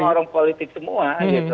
ini orang orang politik semua